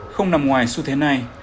không nằm ngoài xu thế này